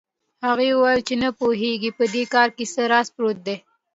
هغه وویل چې نه پوهېږي په دې کار کې څه راز پروت دی.